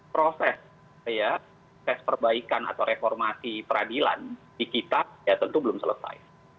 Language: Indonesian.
proses perbaikan atau reformasi peradilan di kita ya tentu belum selesai